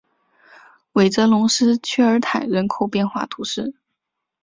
韦泽龙斯屈尔坦人口变化图示